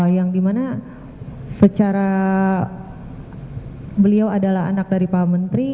yang dimana secara beliau adalah anak dari pak menteri